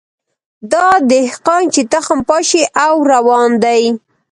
دا دهقان چي تخم پاشي او روان دی